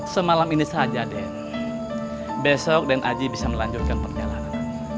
semalam ini saja den besok dan aji bisa melanjutkan perjalanan